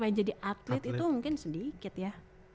main jadi atlet itu mungkin sedikit ya